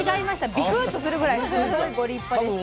ビクッとするぐらいすごいご立派でした。